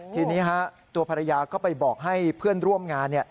ทีนี้ตัวภรรยาก็ไปบอกให้เพื่อนร่วมงาน